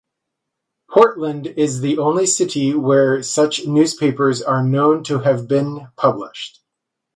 Portland is the only city where such newspapers are known to have been published.